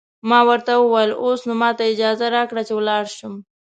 ما ورته وویل: اوس نو ماته اجازه راکړئ چې ولاړ شم.